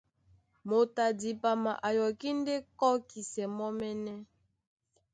Moto a dipama a yɔkí ndé kɔ́kisɛ mɔ́mɛ́nɛ́.